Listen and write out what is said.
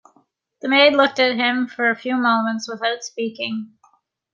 The maid looked at him for a few moments without speaking.